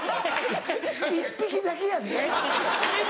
１匹だけやで。